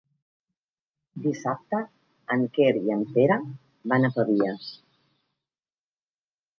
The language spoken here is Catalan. Dissabte en Quer i en Pere van a Pavies.